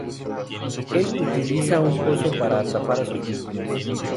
Él utiliza un pozo para atrapar a sus víctimas.